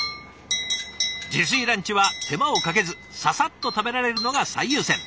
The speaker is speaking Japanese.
自炊ランチは手間をかけずササッと食べられるのが最優先。